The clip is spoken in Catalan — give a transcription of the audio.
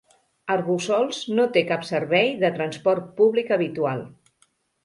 Arboçols no té cap servei de transport públic habitual.